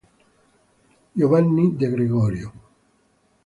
Giovanni de Gregorio